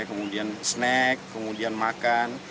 kemudian snack kemudian makan